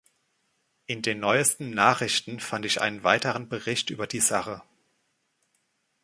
In den neuesten Nachrichten fand ich einen weiteren Bericht über die Sache.